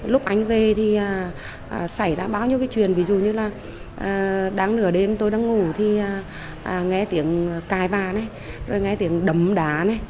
lúc anh về thì xảy ra bao nhiêu cái chuyện ví dụ như là đáng nửa đêm tôi đang ngủ thì nghe tiếng cài và rồi nghe tiếng đấm đá